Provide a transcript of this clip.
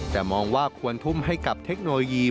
แต่มองว่าควรทุ่มให้กับเทคโนโลยี